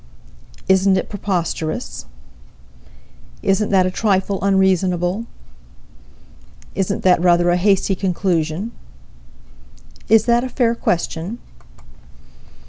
Isn't it preposterous? Isn't that a trifle unreasonable? Isn't that rather a hasty conclusion? Is that a fair question?